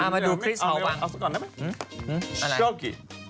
เอามาดูคริสเฮาว่าง